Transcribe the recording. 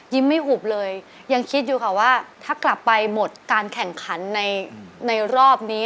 ไม่หุบเลยยังคิดอยู่ค่ะว่าถ้ากลับไปหมดการแข่งขันในรอบนี้